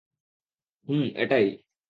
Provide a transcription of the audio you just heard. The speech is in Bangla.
হুম, এটাই।